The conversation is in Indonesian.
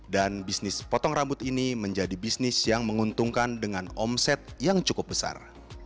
dan bisnis potong rambut ini menjadi bisnis yang menguntungkan dengan omset yang cukup besar